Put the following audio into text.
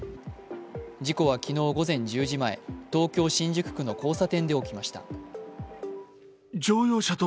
事故は昨日午前１０時前東京・新宿区の交差点前で起きました。